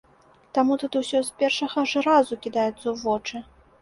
Таму тут усё з першага ж разу кідаецца ў вочы.